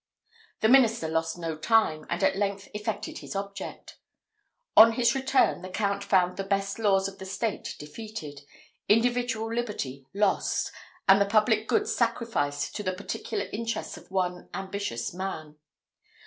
The minister lost no time, and at length effected his object. On his return, the Count found the best laws of the state defeated, individual liberty lost, and the public good sacrificed to the particular interests of one ambitious man.